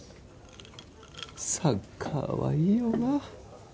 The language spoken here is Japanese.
サッカーはいいよな